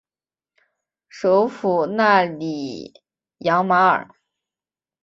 首府纳里扬马尔。